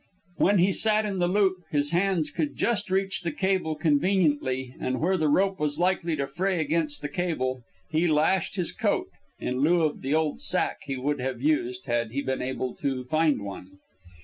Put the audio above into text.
When he sat in the loop his hands could just reach the cable conveniently, and where the rope was likely to fray against the cable he lashed his coat, in lieu of the old sack he would have used had he been able to find one.